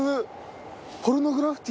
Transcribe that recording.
ポルノグラフィティ